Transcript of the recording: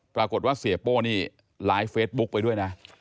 ปรากฏว่าเสียโป้นี่ไลฟ์เฟซบุ๊คไปด้วยนะ